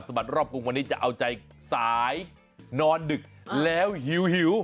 บัดรอบกรุงวันนี้จะเอาใจสายนอนดึกแล้วหิว